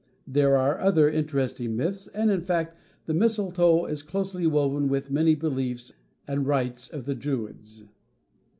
There are other interesting myths; and, in fact, the mistletoe is closely woven with many beliefs and rites of the Druids.